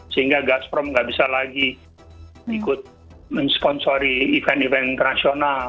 sehingga gasprom nggak bisa lagi ikut mensponsori event event rasional